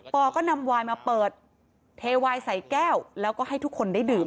อก็นำวายมาเปิดเทวายใส่แก้วแล้วก็ให้ทุกคนได้ดื่ม